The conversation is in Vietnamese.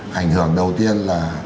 hành hưởng đầu tiên là